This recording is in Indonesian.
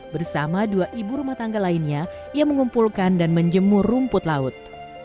bersama dua ibu rumah tangga lainnya ia mengumpulkan dan menjemur rumput laut